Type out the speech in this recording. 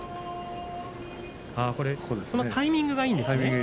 タイミングがいいんですね。